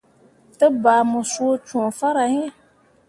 Te bah mu suu cõo farah hii.